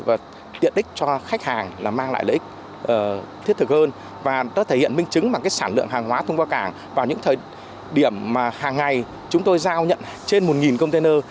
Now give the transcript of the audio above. và đã thể hiện minh chứng bằng sản lượng hàng hóa thông qua cảng vào những thời điểm mà hàng ngày chúng tôi giao nhận trên một container